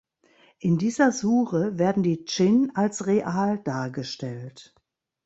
In dieser Sure werden die Dschinn als real dargestellt.